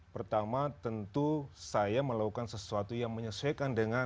pertama tentu saya melakukan sesuatu yang menyesuaikan dengan